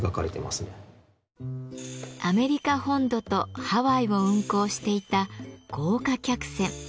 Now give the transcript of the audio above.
アメリカ本土とハワイを運航していた豪華客船。